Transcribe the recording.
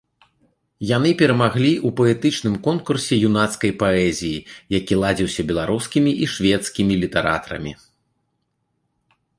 Яны перамаглі ў паэтычным конкурсе юнацкай паэзіі, які ладзіўся беларускімі і шведскімі літаратарамі.